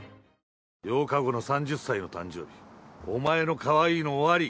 ８日後の３０歳の誕生日お前の可愛いの終わり。